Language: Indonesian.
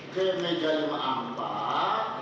ke meja lima ampah